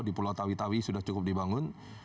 di pulau tawi tawi sudah cukup dibangun